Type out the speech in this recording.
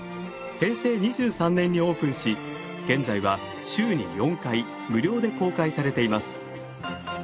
平成２３年にオープンし現在は週に４回無料で公開されています。